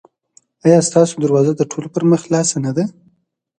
ایا ستاسو دروازه د ټولو پر مخ خلاصه نه ده؟